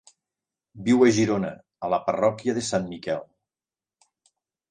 Viu a Girona, a la parròquia de Sant Miquel.